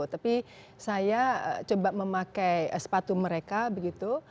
tapi saya coba memakai sepatu mereka begitu